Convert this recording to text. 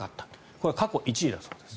これは過去１位だそうです。